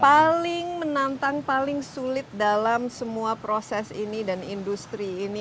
paling menantang paling sulit dalam semua proses ini dan industri ini